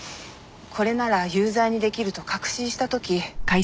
これなら有罪に出来ると確信した時。